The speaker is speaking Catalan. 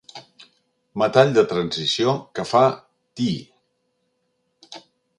Metall de transició que fa Ti.